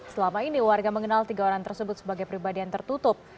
selama ini warga mengenal tiga orang tersebut sebagai pribadi yang tertutup